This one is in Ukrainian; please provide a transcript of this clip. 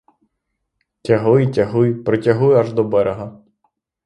Тягли, тягли, притягли аж до берега.